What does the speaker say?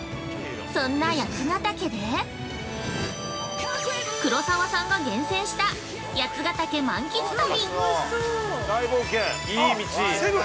そんな八ヶ岳で黒沢さんが厳選した八ヶ岳満喫旅！